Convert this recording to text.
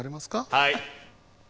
はい。